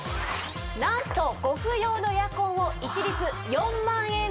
なんとご不要のエアコンを一律４万円で下取り致します！